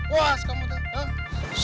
wah kamu tuh